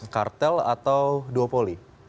kartel atau duopoli